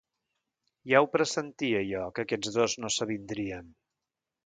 Ja ho pressentia jo, que aquests dos no s'avindrien!